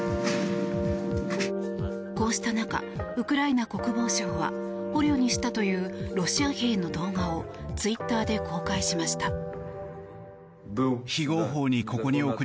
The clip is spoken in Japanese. こうした中、ウクライナ国防省は捕虜にしたというロシア兵の動画をツイッターで公開しました。